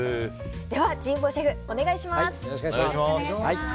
では神保シェフ、お願いします。